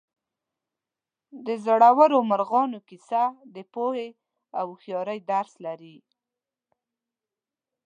د زړورو مارغانو کیسه د پوهې او هوښیارۍ درس لري.